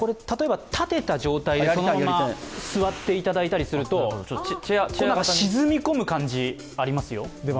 例えば立てた状態でそのまま座っていただいたりすると沈み込む感じありますよ。